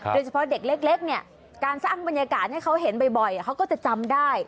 โดยเฉพาะเด็กเล็กเนี่ยการสร้างบรรยากาศให้เขาเห็นบ่อยเขาก็จะจำได้